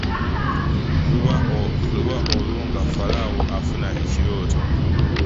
Luba olwo nga Falaawo afuna ekirooto .